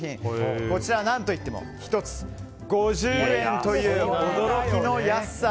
こちらは、何といっても１つ５０円という驚きの安さ！